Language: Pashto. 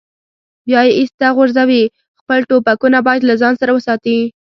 بیا یې ایسته غورځوي، خپل ټوپکونه باید له ځان سره وساتي.